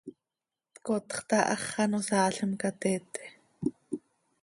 tcotxta, hax ano saalim ca teete.